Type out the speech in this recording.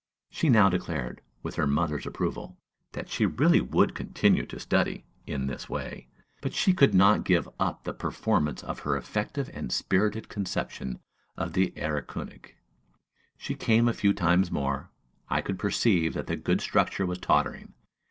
She now declared, with her mother's approval, that she really would continue to study in this way, but she could not give up the performance of her effective and spirited conception of the "Erlkönig." She came a few times more: I could perceive that the good structure was tottering.